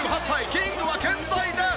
キングは健在です！